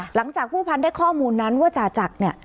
หลังจากผู้พันธุ์ได้ข้อมูลนั้นว่าจ่าจักรเนี่ย